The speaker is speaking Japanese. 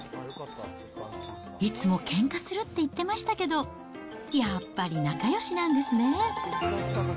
いつもけんかするって言ってましたけど、やっぱり仲よしなんですね。